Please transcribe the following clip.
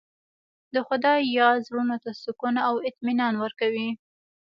د خدای یاد زړونو ته سکون او اطمینان ورکوي.